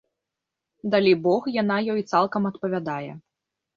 Далібог, яна ёй цалкам адпавядае.